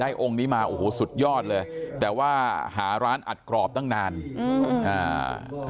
องค์นี้มาโอ้โหสุดยอดเลยแต่ว่าหาร้านอัดกรอบตั้งนานอืมอ่า